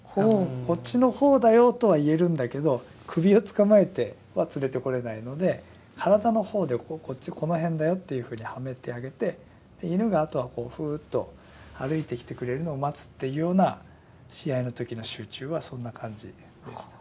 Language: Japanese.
こっちの方だよとは言えるんだけど首をつかまえては連れてこれないので体の方でこっちこの辺だよっていうふうにはめてあげて犬があとはフーッと歩いてきてくれるのを待つというような試合の時の集中はそんな感じでした。